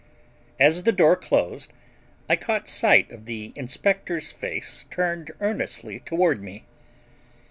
As the door closed I caught sight of the inspector's face turned earnestly toward me.